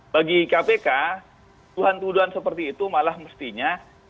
bagi kpk tuduhan tuduhan seperti itu malah mestinya